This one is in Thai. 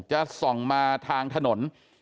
จะส่องมาทางถนน